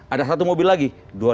ada satu mobil lagi